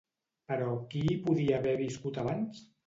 Però, qui hi podia haver viscut abans?